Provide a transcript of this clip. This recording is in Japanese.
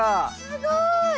すごい！